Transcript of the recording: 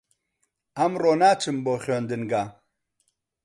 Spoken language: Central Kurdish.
ئەمڕۆ ناچم بۆ خوێندنگە.